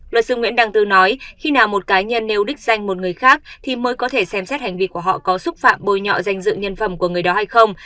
luật sư nguyễn đăng tư nói khi nào một cá nhân nêu đích danh một người khác thì mới có thể xem xét hành vi của họ có xúc phạm bồi nhọ danh dự nhân phẩm của người đó hay không